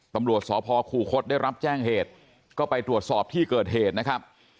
ตำรวจสพคูคศได้รับแจ้งเหตุก็ไปตรวจสอบที่เกิดเหตุนะครับ